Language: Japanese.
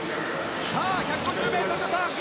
１５０ｍのターン！